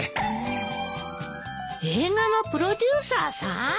映画のプロデューサーさん？